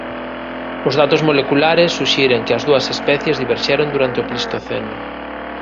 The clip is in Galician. Os datos moleculares suxiren que as dúas especies diverxeron durante o Plistoceno.